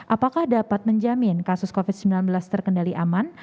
apakah dapat menjamin kasus covid sembilan belas terkendali aman